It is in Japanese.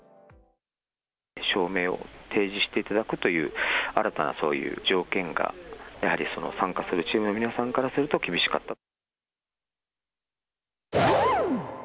証明を提示していただくという、新たなそういう条件が、やはり参加するチームの皆さんからすると厳しかったと。